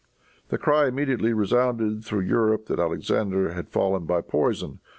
The cry immediately resounded through Europe that Alexander had fallen by poison.